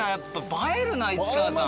映えるな市川さん。